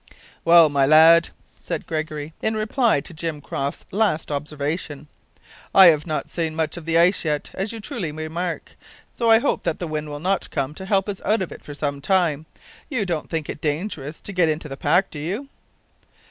"Well, my lad," said Gregory, in reply to Jim Croft's last observation, "I have not seen much of the ice yet, as you truly remark, so I hope that the wind will not come to help us out of it for some time. You don't think it dangerous to get into the pack, do you?"